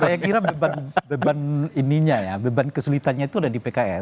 saya kira beban ininya ya beban kesulitannya itu ada di pks